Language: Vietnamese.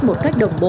một cách đồng bộ